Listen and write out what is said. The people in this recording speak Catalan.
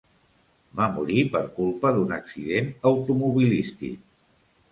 Va morir per culpa d'un accident automobilístic.